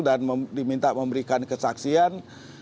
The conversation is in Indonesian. dan diminta memberikan kesaksian